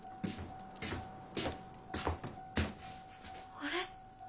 あれ？